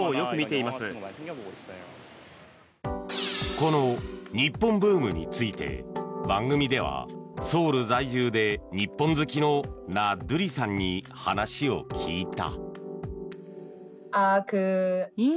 この日本ブームについて番組ではソウル在住で日本好きのナ・ドゥリさんに話を聞いた。